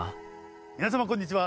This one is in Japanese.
皆様こんにちは。